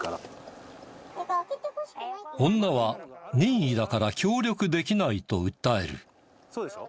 女は「任意だから協力できない」と訴える。